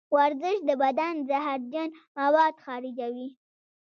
ورزش د بدن زهرجن مواد خارجوي.